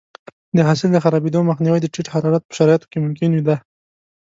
د حاصل د خرابېدو مخنیوی د ټیټ حرارت په شرایطو کې ممکن دی.